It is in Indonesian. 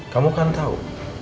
kamu kan tahu